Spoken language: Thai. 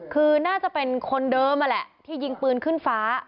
คือน่าจะเป็นคนเดิมนั่นแหละที่ยิงปืนขึ้นฟ้า